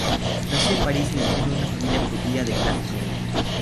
Nació en París en el seno de una familia judía de clase media.